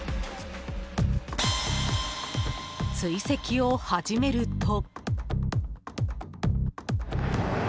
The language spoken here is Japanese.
追跡を始めると。